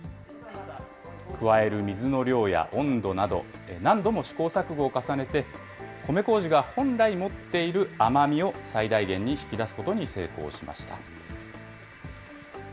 加える水の量や温度など、何度も試行錯誤を重ねて、米こうじが本来持っている甘みを最大限に引き出すことに成功しました。